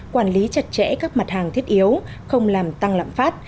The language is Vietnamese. quản lý chặt chẽ các mặt hàng thiết yếu không làm tăng lạm phát